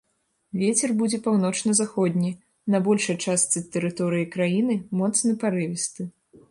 Вецер будзе паўночна-заходні, на большай частцы тэрыторыі краіны моцны парывісты.